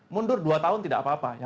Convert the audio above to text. mundur dua tahun tidak apa apa